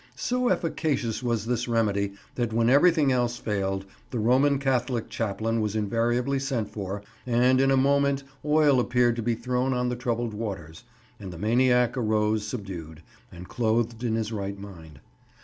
So efficacious was this remedy that when everything else failed, the Roman Catholic chaplain was invariably sent for, and in a moment oil appeared to be thrown on the troubled waters, and the maniac arose subdued, and clothed in his right mind.